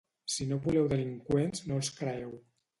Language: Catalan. si no voleu delinqüents no els creeu